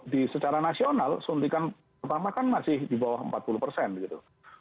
di secara nasional suntikan pertama kan masih di bawah empat puluh persen gitu